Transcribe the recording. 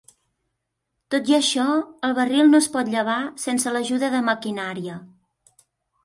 Tot i això, el barril no es pot llevar sense l'ajuda de maquinària.